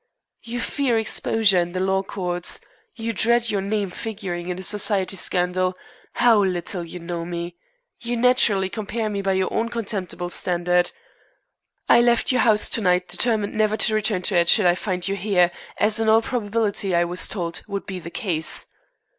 "You fear exposure in the law courts! You dread your name figuring in a society scandal! How little you know me. You naturally compare me by your own contemptible standard. I left your house to night determined never to return to it should I find you here, as in all probability, I was told, would be the case.